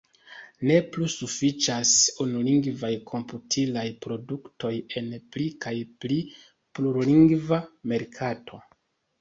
Ne plu sufiĉas unulingvaj komputilaj produktoj en pli kaj pli plurlingva merkato.